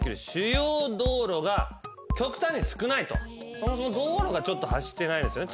そもそも道路が走ってないんですよね